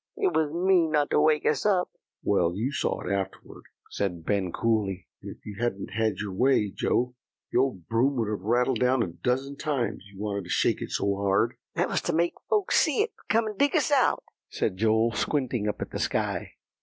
"It was mean not to wake us up." "Well, you saw it afterward," said Ben coolly. "And if you'd had your way, Joe, the old broom would have rattled down a dozen times, you wanted to shake it so hard." "That was to make folks see it, and come and dig us out," said Joel, squinting up at the sky.